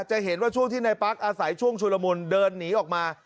จะเห็นว่าช่วงที่ในปั๊กอาศัยช่วงชุลมุนเดินหนีออกมา